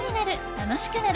楽しくなる！